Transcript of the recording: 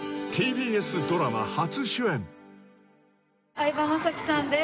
相葉雅紀さんです